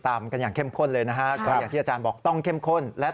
ตามกันอย่างเข้มข้นเลยนะฮะก็อย่างที่อาจารย์บอกต้องเข้มข้นและ